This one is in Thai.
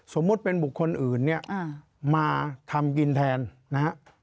สมมุติเป็นบุคคลอื่นเนี่ยมาทำกินแทนนะฮะ